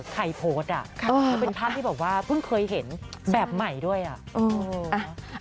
ใครโพสต์อ่ะแล้วเป็นภาพที่บอกว่าเพิ่งเคยเห็นแบบใหม่ด้วยอ่ะ